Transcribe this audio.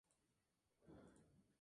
Otra excepción de esta sp.